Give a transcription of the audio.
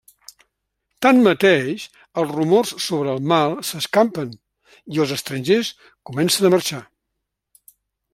Tanmateix, els rumors sobre el mal s'escampen i els estrangers comencen a marxar.